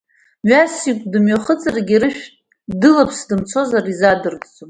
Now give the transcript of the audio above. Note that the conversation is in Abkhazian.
Мҩасҩык дымҩахыҵыргьы, рышә длылаԥс дымцозар, изаадыртӡом.